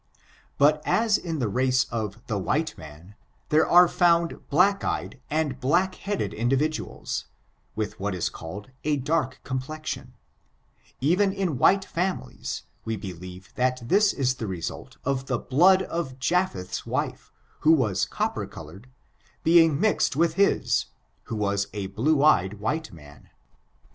But as in the race of the white man, there are found black eyed and black headed indiriduals, with what is called a dark complexion, eren in ithiie families, we believe that this is the result of the blood of Japheth's trt/e, who was copper colored, being mix ed with his. who was a blue eyed white man.